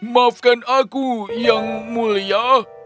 maafkan aku yang mulia